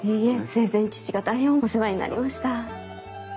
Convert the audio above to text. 生前父が大変お世話になりました。